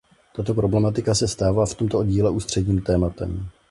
Tato problematika se stává v tomto díle ústředním tématem.